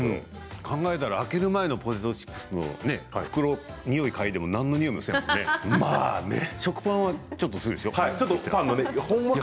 考えたら開ける前のポテトチップスの袋１回におい嗅いでも何のにおいもしないけど食パンはちょっとにおいがするでしょう。